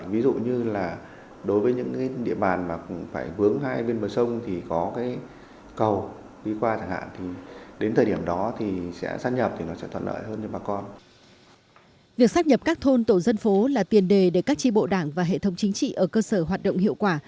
việc sắp nhập các thôn tổ dân phố là tiền đề để các tri bộ đảng và hệ thống chính trị ở cơ sở hoạt động hiệu quả